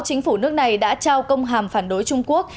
chính phủ nước này đã trao công hàm phản đối trung quốc